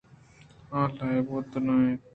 آ لیب ءَ اَنت۔